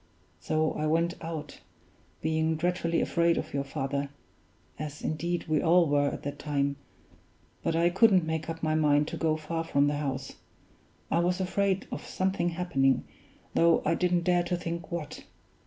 So I went out, being dreadfully afraid of your father as indeed we all were at that time but I couldn't make up my mind to go far from the house; I was afraid of something happening, though I didn't dare to think what.